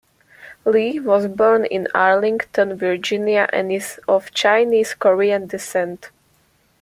Lee was born in Arlington, Virginia, and is of Chinese-Korean descent.